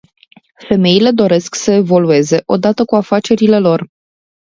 Femeile doresc să evolueze odată cu afacerile lor.